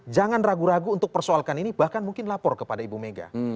jangan ragu ragu untuk persoalkan ini bahkan mungkin lapor kepada ibu mega